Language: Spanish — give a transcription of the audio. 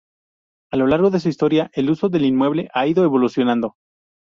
A lo largo de su historia, el uso del inmueble ha ido evolucionando.